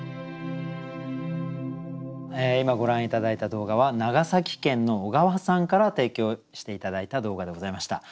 今ご覧頂いた動画は長崎県のおがわさんから提供して頂いた動画でございました。